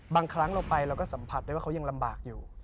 บางครั้งเราไปเราก็สัมผัสได้ว่าเขายังลำบากอยู่